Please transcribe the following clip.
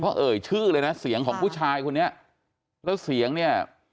เขาเอ่ยชื่อเลยนะเสียงของผู้ชายคนนี้แล้วเสียงเนี่ย